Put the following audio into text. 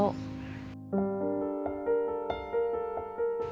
มาจะกับเมืองดูแล